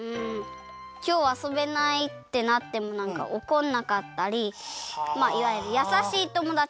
きょうあそべないってなってもおこんなかったりまあいわゆるやさしいともだち。